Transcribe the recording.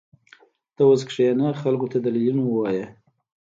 ته اوس کښېنه خلقو ته دليلونه ووايه.